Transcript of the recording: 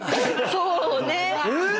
そうね。